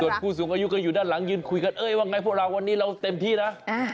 ส่วนผู้สูงอายุก็อยู่ด้านหลังยืนคุยกันเอ้ยว่าไงพวกเราวันนี้เราเต็มที่นะ